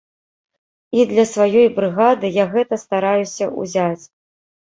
І для сваёй брыгады я гэта стараюся ўзяць.